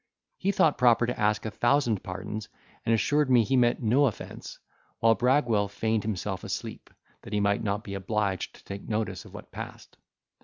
He thought proper to ask a thousand pardons, and assure me he meant no offence; while Bragwell feigned himself asleep, that he might not be obliged to take notice of what passed.